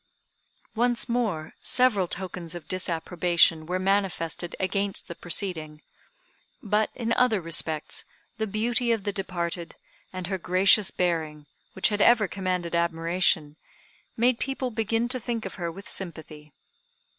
Once more several tokens of disapprobation were manifested against the proceeding. But, in other respects, the beauty of the departed, and her gracious bearing, which had ever commanded admiration, made people begin to think of her with sympathy.